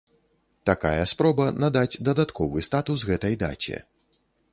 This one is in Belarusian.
Такая спроба надаць дадатковы статус гэтай даце.